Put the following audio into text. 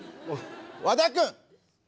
和田君！